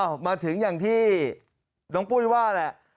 มาถึงอย่างที่น้องปุ้ยว่าแหละ